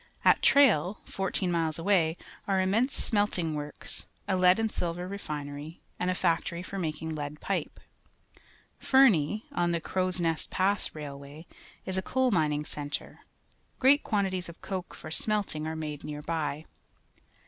At Tj nil, fmir teen miles away, are immense smelting works, a lead and silver refinery, and a factory for making lead pipe. Ferme, on the Crowsnest Pass Railwa}', is a coal mining centre. Great quantities of coke for smelt ing purposes are made near by.